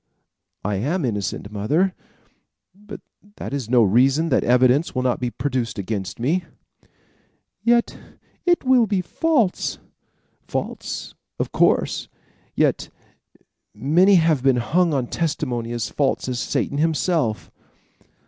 "I am innocent, mother; but that is no reason that evidence will not be produced against me." "Yet it will be false." "False, of course; yet many have been hung on testimony false as Satan himself."